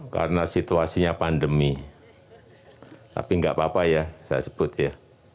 karena situasinya pandemi tapi enggak apa apa ya saya sebut ya